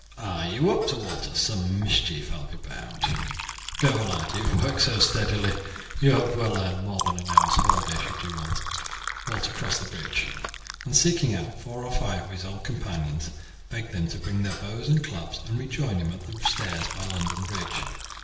"What are you up to, Walter? some mischief, I will be bound. Go, lad; you have worked so steadily that you have well earned more than an hour's holiday should you want it." Walter crossed the bridge, and seeking out four or five of his old companions, begged them to bring their bows and clubs and rejoin him at the stairs by London Bridge.